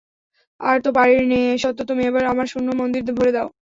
আর তো পারি নে, সত্য, তুমি এবার আমার শূন্য মন্দির ভরে দাও।